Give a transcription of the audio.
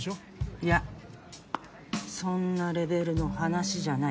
いやそんなレベルの話じゃない。